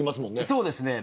そうですね。